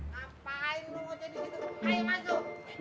ngapain lo mau jadi gitu